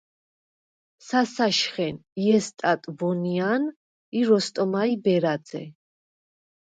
სასაშხენ – ჲესტატ ვონია̄ნ ი როსტომაჲ ბერაძე.